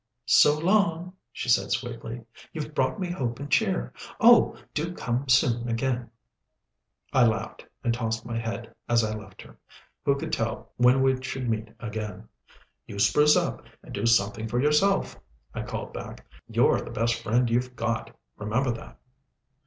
"So long," she said sweetly. "You've brought me hope and cheer. Oh! do come soon again." I laughed, and tossed my head as I left her. Who could tell when we should meet again? "You spruce up, and do something for yourself," I called back. "You're the best friend you've got. Remember that."